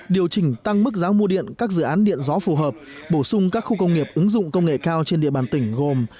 điều chỉnh tăng mức giá mua điện các dự án điện gió phù hợp bổ sung các khu công nghiệp ứng dụng công nghệ cao trên địa bàn tỉnh gồm